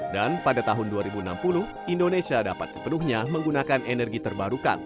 dan pada tahun dua ribu enam puluh indonesia dapat sepenuhnya menggunakan energi terbarukan